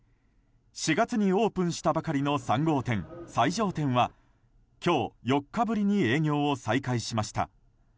４月にオープンしたばかりの３号店、西条店は今日、４日ぶりに営業を再開しました。